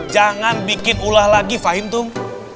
jangan bikin ulah lagi fahim tung